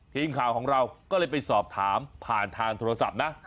ทีมข่าวของเราก็เลยไปสอบถามผ่านทางโทรศัพท์นะ